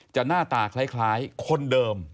หน้าตาคล้ายคนเดิม